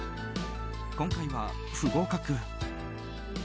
今回は不合格。